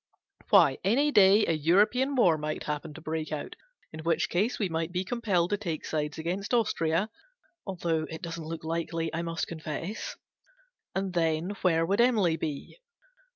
Why, any day a European war might happen to break out, in which case we might be compelled to take sides against Austria (though it doesn't look likely, I must confess) ; and then, where would Emily be?